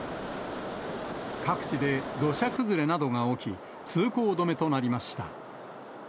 各地で土砂崩れなどが起き、通行止めとなりました。